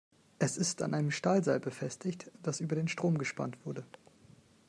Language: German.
Es ist an einem Stahlseil befestigt, das über den Strom gespannt wurde.